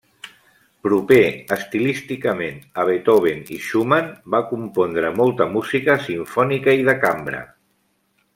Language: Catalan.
Proper estilísticament a Beethoven i Schumann, va compondre molta música simfònica i de cambra.